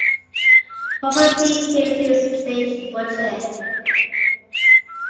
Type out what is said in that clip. Robert P. Casey's state budget.